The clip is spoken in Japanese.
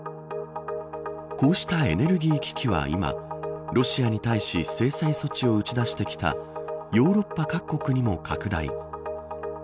こうしたエネルギー危機は今ロシアに対し制裁措置を打ち出してきたヨーロッパ各国にも拡大。